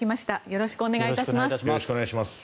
よろしくお願いします。